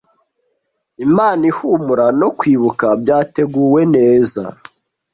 Impano ihumura no kwibuka byateguwe neza,